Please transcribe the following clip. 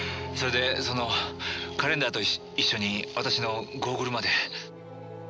それでそのカレンダーと一緒に私のゴーグルまで。